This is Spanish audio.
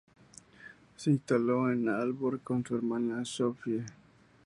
Se instaló en Aalborg con su hermana Sophie.